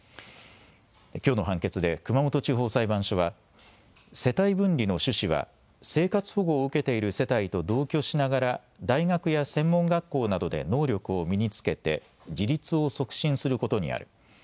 きょうの判決で熊本地方裁判所は世帯分離の趣旨は生活保護を受けている世帯と同居しながら大学や専門学校などで能力を身につけて自立を促進することにある。